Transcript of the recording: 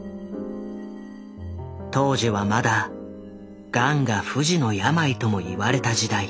当時はまだガンが「不治の病」ともいわれた時代。